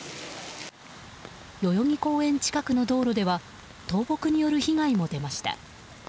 代々木公園近くの道路では倒木による被害も出ました。